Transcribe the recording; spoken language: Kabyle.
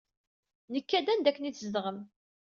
Nekka-d anda akken i tzedɣem.